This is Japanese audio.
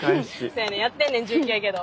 せやねんやってんねん１９やけど。